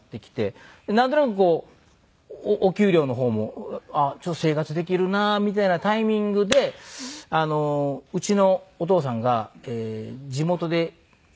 なんとなくお給料の方もちょっと生活できるなみたいなタイミングでうちのお父さんが地元で家を買いまして。